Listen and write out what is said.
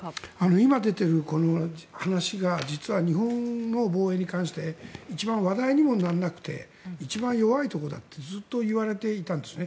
今出ている話が実は日本の防衛に関して一番、話題にもならなくて一番、弱いところだとずっといわれていたんですね。